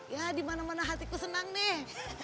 ya dimana mana hatiku senang nih